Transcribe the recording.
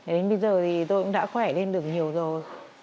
đến bây giờ thì tôi cũng đã khỏe lên được nhiều rồi